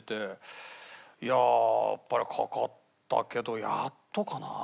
いやあやっぱりかかったけどやっとかな。